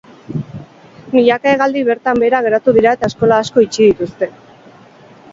Milaka hegaldi bertan behera geratu dira eta eskola asko itxi dituzte.